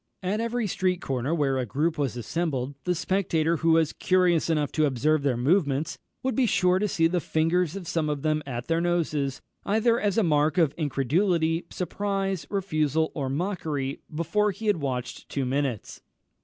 At every street corner where a group was assembled, the spectator who was curious enough to observe their movements would be sure to see the fingers of some of them at their noses, either as a mark of incredulity, surprise, refusal, or mockery, before he had watched two minutes.